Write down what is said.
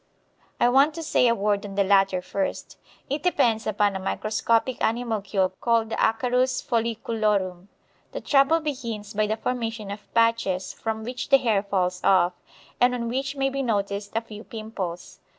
I want to say a word on the latter first. It depends upon a microscopic animalcule called the Acarus folliculorum. The trouble begins by the formation of patches, from which the hair falls off, and on which may be noticed a few pimples.